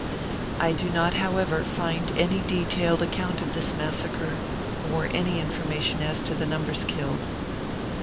I do not, however, find any detailed account of this massacre, or any information as to the numbers killed.